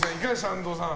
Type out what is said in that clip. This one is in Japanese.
安藤さん。